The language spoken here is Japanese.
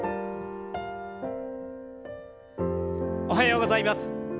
おはようございます。